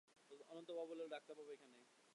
অনন্ত বলিল, ডাক্তারবাবু এখানে?